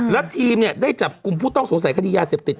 แล้วทีมเนี่ยได้จับกลุ่มผู้ต้องสงสัยคดียาเสพติด